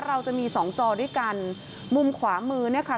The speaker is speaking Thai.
เราจะมีสองจอด้วยกันมุมขวามือเนี่ยค่ะ